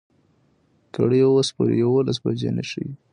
ګړۍ اوس پوره يولس بجې ښيي.